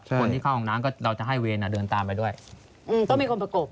คนที่เข้าห้องน้ำก็เราจะให้เวรเดินตามไปด้วยต้องมีคนประกบ